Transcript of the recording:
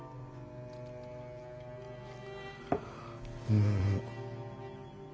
うん。